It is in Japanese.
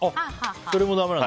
それもだめなの？